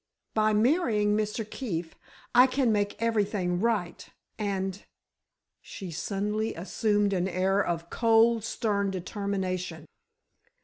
By marrying Mr. Keefe I can make everything right—and——" she suddenly assumed an air of cold, stern determination.